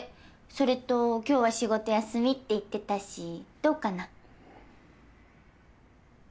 それと今日は仕事休みって言ってたしどうかな？